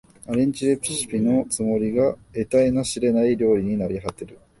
アレンジレシピのつもりが得体の知れない料理になりはてる